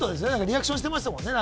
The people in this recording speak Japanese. リアクションしてましたもんね